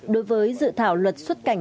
đối với dự thảo luật xuất cảnh